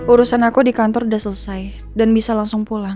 urusan aku di kantor sudah selesai dan bisa langsung pulang